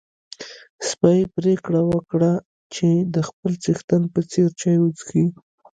سپی پرېکړه وکړه چې د خپل څښتن په څېر چای وڅښي.